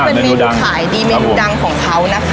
เป็นเมนูขายดีเมนูดังของเขานะคะ